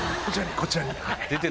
こちらに！